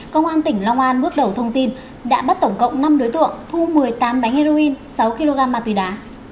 công an tỉnh long an bước đầu thông tin đã bắt tổng cộng năm đối tượng thu một mươi tám bánh heroin sáu kg ma túy đá